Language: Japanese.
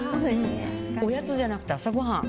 おやつじゃなくて朝ごはん。